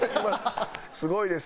すごいです。